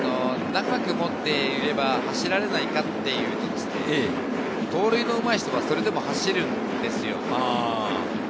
長く持っていれば走られないかというと、盗塁のうまい人はそれでも走るんですよ。